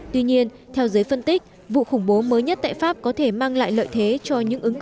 tuy nhiên theo giới phân tích vụ khủng bố mới nhất tại pháp có thể mang lại lợi thế cho những ứng cử